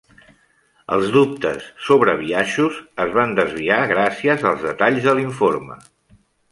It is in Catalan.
Els dubtes sobre biaixos es van desviar gràcies als detalls de l'informe.